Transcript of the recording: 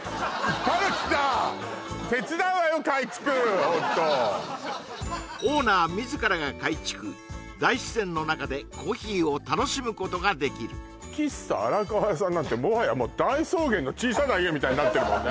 ＰＡＬＫＩさんオーナー自らが改築大自然の中でコーヒーを楽しむことができる喫茶新川屋さんなんてもはや「大草原の小さな家」みたいになってるもんね